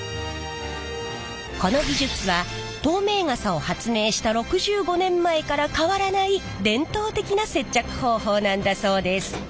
この技術は透明傘を発明した６５年前から変わらない伝統的な接着方法なんだそうです。